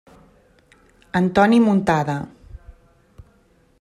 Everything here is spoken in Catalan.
Antoni Muntada.